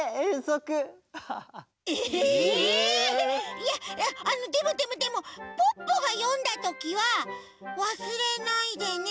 いやいやでもでもでもポッポがよんだときは「わすれないでね。